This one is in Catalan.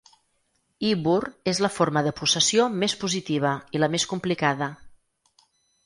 "Ibbur" és la forma de possessió més positiva, i la més complicada.